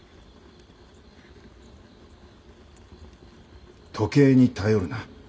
回想時計に頼るな。